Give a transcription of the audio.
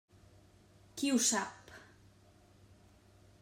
Qui ho sap!